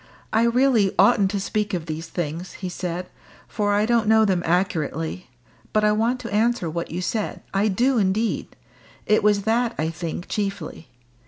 "I really oughtn't to speak of these things," he said, "for I don't know them accurately. But I want to answer what you said I do indeed. It was that, I think, chiefly.